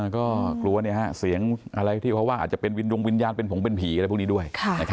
ก็กลัวเสียงอะไรที่เขาว่าอาจจะเป็นวินดวงวิญญาณเป็นผงเป็นผีอะไรพวกนี้ด้วย